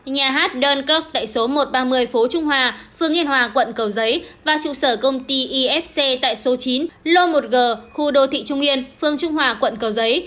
nhà hát đơn cấp tại số một trăm ba mươi phố trung hòa phường yên hòa quận cầu giấy và trụ sở công ty ifc tại số chín lô một g khu đô thị trung yên phương trung hòa quận cầu giấy